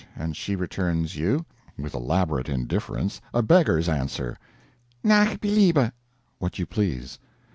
and she returns you, with elaborate indifference, a beggar's answer: "NACH BELIEBE" (what you please.)